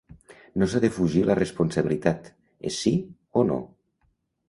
No s’ha de fugir la responsabilitat: és sí o no.